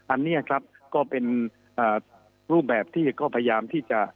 อันนี้ครับก็เป็นรูปแบบที่ก็พยายามที่จะ